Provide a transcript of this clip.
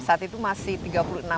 saat itu masih tiga puluh enam